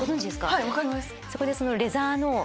はい分かります。